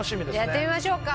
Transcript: やってみましょうか。